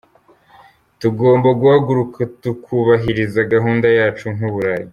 Tugomba guhaguruka tukubahiriza gahunda yacu nk’u Burayi.